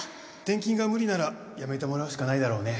転勤が無理なら辞めてもらうしかないだろうね